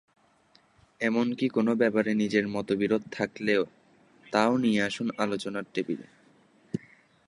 এমনকি কোনো ব্যাপারে নিজের মতবিরোধ থাকলে তা-ও নিয়ে আসুন আলোচনার টেবিলে।